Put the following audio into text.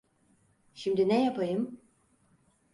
Şimdi ne yapayım?